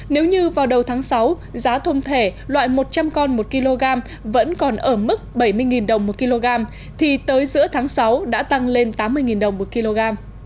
nếu như vào đầu tháng sáu giá tôm thẻ loại một trăm linh con một kg vẫn còn ở mức bảy mươi đồng một kg thì tới giữa tháng sáu đã tăng lên tám mươi đồng một kg